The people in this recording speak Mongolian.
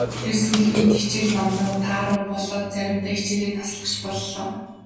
Тэр сүүлийн үед хичээл номдоо тааруу болоод заримдаа хичээлээ таслах ч боллоо.